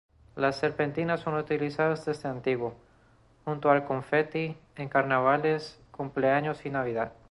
Las serpentinas son utilizadas desde antiguo, junto al confeti, en carnavales, cumpleaños y Navidad.